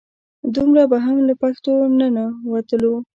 دومره به هم له پښتو نه نه وتلو.